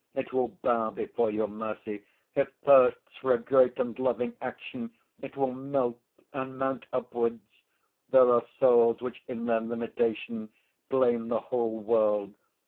It will bow before your mercy; it thirsts for a great and loving action, it will melt and mount upwards. There are souls which, in their limitation, blame the whole world.